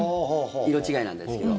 色違いなんですけど。